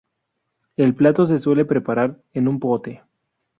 El plato se suele preparar en un pote.